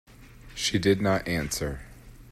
She did not answer.